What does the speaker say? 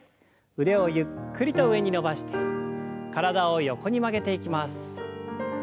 腕をゆっくりと上に伸ばして体を横に曲げていきます。